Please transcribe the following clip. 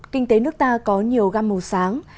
kinh tế nước ta có nhiều gam màu sáng